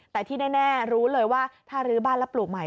แต่ที่แน่รู้เลยว่าถ้ารื้อบ้านแล้วปลูกใหม่